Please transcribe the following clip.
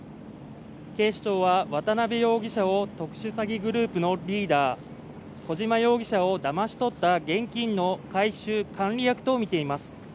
警視庁は渡辺容疑者を特殊詐欺グループのリーダー小島容疑者を騙し取った現金の回収管理役とみています